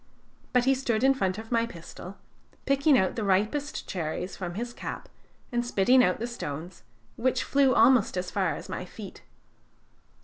But he stood in front of my pistol, picking out the ripest cherries from his cap and spitting out the stones, which flew almost as far as my feet.